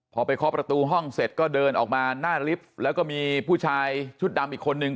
พอไปเคาะประตูห้องเสร็จก็เดินออกมาหน้าลิฟต์แล้วก็มีผู้ชายชุดดำอีกคนนึง